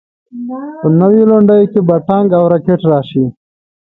په نویو لنډیو کې به ټانک او راکټ راشي.